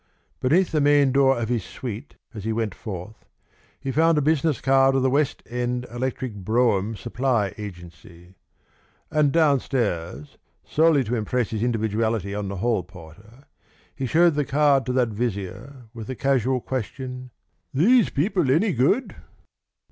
Beneath the main door of his suite, as he went forth, he found a business card of the West End Electric Brougham Supply Agency. And downstairs, solely to impress his individuality on the hall porter, he showed the card to that vizier with the casual question: "These people any good?"